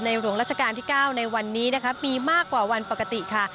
หลวงราชการที่๙ในวันนี้นะคะมีมากกว่าวันปกติค่ะ